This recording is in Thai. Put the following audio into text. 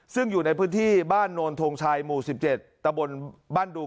ซึ่งอยู่ในพื้นที่บ้านโนนทงชัยหมู่๑๗ตะบนบ้านดูง